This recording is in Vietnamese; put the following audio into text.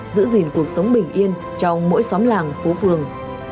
giữ gìn cuộc sống bình yên trong mỗi xóm làng phố phường